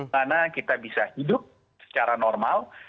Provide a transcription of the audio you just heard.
karena kita bisa hidup secara normal